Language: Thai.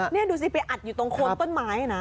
นี่ดูสิไปอัดอยู่ตรงโคนต้นไม้นะ